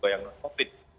atau yang non covid